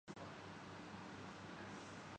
وہ بہت رومانی نہیں تھا۔